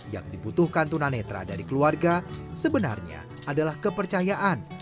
yang dibutuhkan tuna netra dari keluarga sebenarnya adalah kepercayaan